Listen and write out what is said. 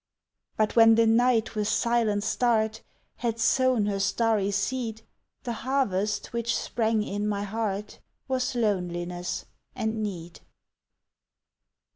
But when the night with silent start Had sown her starry seed, The harvest which sprang in my heart Was loneliness and need.